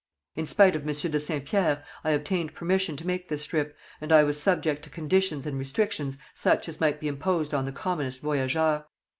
In spite of Monsieur de Saint Pierre, I obtained permission to make this trip, and I was subject to conditions and restrictions such as might be imposed on the commonest voyageur.